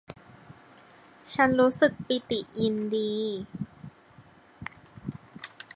ฉันรู้สึกปิติยินดี